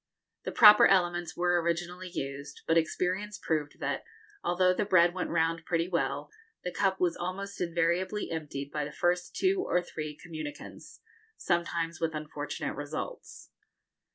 The proper elements were originally used, but experience proved that, although the bread went round pretty well, the cup was almost invariably emptied by the first two or three communicants, sometimes with unfortunate results.